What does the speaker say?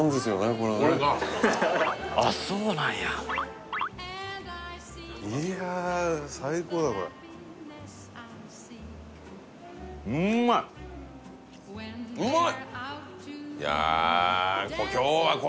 これねあっそうなんやいや最高だこれうんまいうまい！